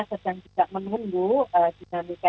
sedang juga menunggu dinamika